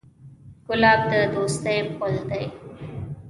ګلاب د دوستۍ پُل دی.